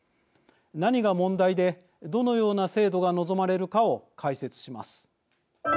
何が問題で、どのような制度が望まれるかを解説します。